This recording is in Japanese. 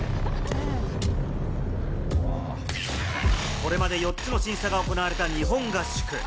これまで４つの審査が行われた日本合宿。